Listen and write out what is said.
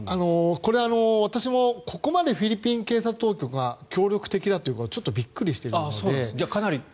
これ、私もここまでフィリピン警察当局が協力的だというのはちょっとびっくりしているので。